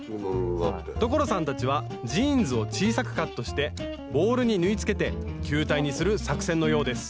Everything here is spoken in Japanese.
所さんたちはジーンズを小さくカットしてボールに縫いつけて球体にする作戦のようです